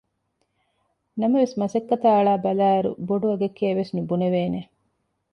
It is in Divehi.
ނަމަވެސް މަސައްކަތާ އަޅާބަލާއިރު ބޮޑު އަގެކޭ ވެސް ނުބުނެވޭނެ